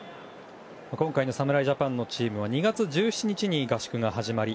今回の侍ジャパンのチームは２月１７日に合宿が始まり